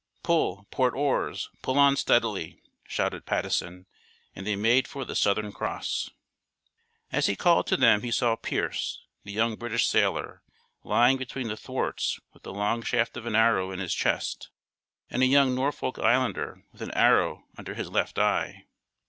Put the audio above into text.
"Pull, port oars, pull on steadily," shouted Patteson; and they made for The Southern Cross. As he called to them he saw Pearce, the young British sailor, lying between the thwarts with the long shaft of an arrow in his chest, and a young Norfolk Islander with an arrow under his left eye.